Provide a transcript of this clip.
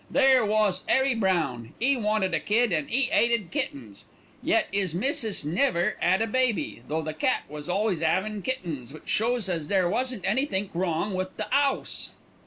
There wos 'Arry Brown; 'e wanted a kid, and 'e 'ated kittens. Yet 'is missis never 'ad a baby, though the cat was always 'avin' kittens, which shows as there wasn't anythink wrong wi' the 'ouse."